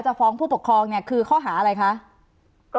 จะฟ้องผู้ปกครองคือข้อหาอะไรครับ